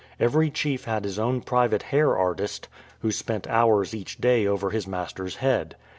Every chief had his own private hair artist, who spent hours each day over his master's head.